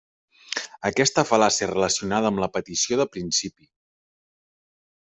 Aquesta fal·làcia relacionada amb la petició de principi.